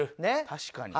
確かに。